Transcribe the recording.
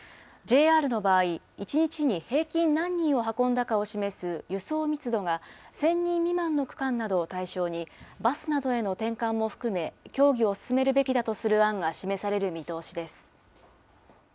ＪＲの場合、１日に平均何人を運んだかを示す輸送密度が１０００人未満の区間などを対象に、バスなどへの転換も含め、協議を進めるべきだとする案が示される見通しです。